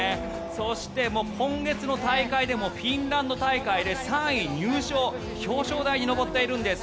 そして今月の大会でもフィンランド大会で３位入賞表彰台に上っているんです。